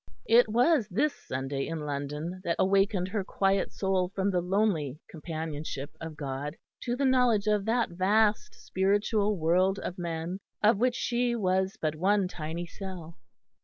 It was this Sunday in London that awakened her quiet soul from the lonely companionship of God, to the knowledge of that vast spiritual world of men of which she was but one tiny cell.